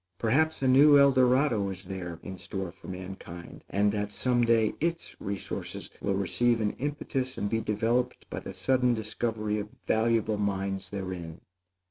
Perhaps a new El Dorado is there in store for mankind, and that some day its resources will receive an impetus and be developed by the sudden discovery of valuable mines therein.